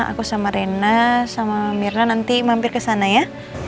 aku sama rena sama mirna nanti mampir kesana ya